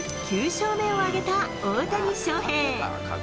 ９勝目を挙げた大谷翔平。